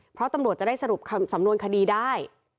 เพราะตำรวจจะได้สรุปสำนวนคดีได้